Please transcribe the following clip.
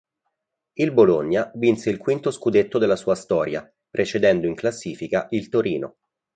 Il Bologna vinse il quinto scudetto della sua storia, precedendo in classifica il Torino.